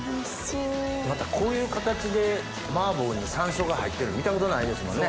またこういう形で麻婆に山椒が入ってるの見たことないですもんね